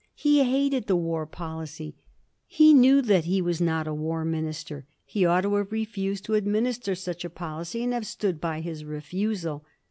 He hated the war policy ; he knew that he was not a war minister ; he ought to have refused to administer such a policy, and have stood by his refusal.